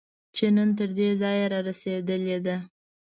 چې نن تر دې ځایه رارسېدلې ده